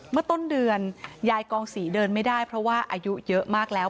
เมื่อต้นเดือนยายกองศรีเดินไม่ได้เพราะว่าอายุเยอะมากแล้ว